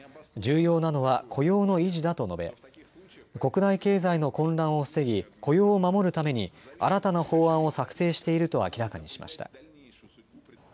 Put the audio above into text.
重要なのは雇用の維持だと述べ国内経済の混乱を防ぎ、雇用を守るために新たな法案を策定していると明らかにしました。